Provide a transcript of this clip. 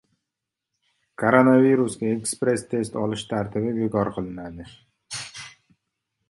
Koronavirusga ekspress test olish tartibi bekor qilinadi